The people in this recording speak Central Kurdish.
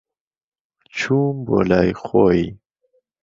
چووم بۆ لای خۆی.